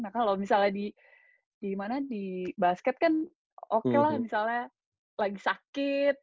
nah kalau misalnya di basket kan oke lah misalnya lagi sakit